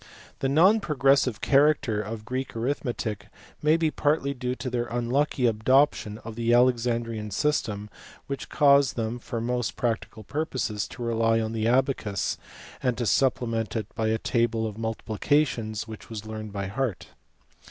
The non progressive character of Greek arithmetic may be partly due to their unlucky adoption of the Alex andrian system which caused them for most practical purposes to rely on the abacus, and to supplement it by a table of multi plications which was learnt by heart.